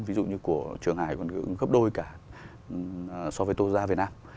ví dụ như của trường hải còn gấp đôi cả so với toyota việt nam